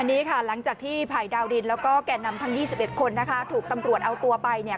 วันนี้ค่ะหลังจากที่ภัยดาวดินแล้วก็แก่นำทั้ง๒๑คนนะคะถูกตำรวจเอาตัวไปเนี่ย